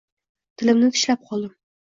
Tilimni tishlab qoldim…